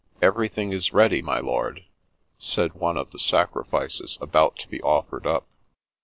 " Everything is ready, my lord," said one of the sacrifices about to be offered up.